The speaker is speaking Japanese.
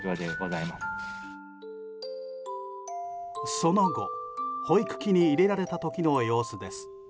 その後、保育器に入れられた時の様子です。